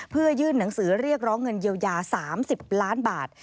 เพื่อยื่นหนังสือเรียกร้องเงินเยียวยา๓๐ล้านบาท